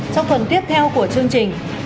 trong tuần tiếp theo của chương trình